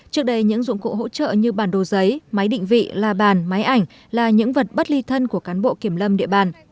trước đây những dụng cụ hỗ trợ như bản đồ giấy máy định vị là bàn máy ảnh là những vật bất ly thân của cán bộ kiểm lâm địa bàn